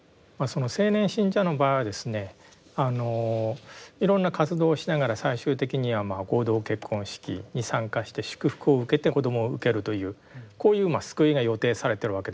青年信者の場合はですねあのいろんな活動をしながら最終的には合同結婚式に参加して祝福を受けて子どもを受けるというこういう救いが予定されてるわけですよね。